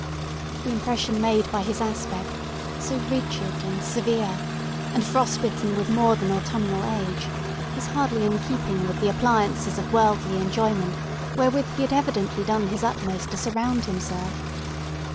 The impression made by his aspect, so rigid and severe, and frost bitten with more than autumnal age, was hardly in keeping with the appliances of worldly enjoyment wherewith he had evidently done his utmost to surround himself.